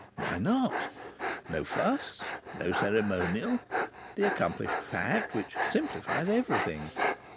... Why not? No fuss! No ceremonial! The accomplished fact, which simplifies everything!